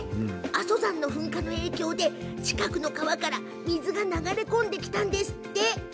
阿蘇山の噴火の影響で近くの川から水が流れ込んできたんですって。